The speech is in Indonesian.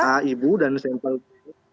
sample a ibu dan sample b